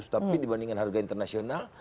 tapi dibandingkan harga internasional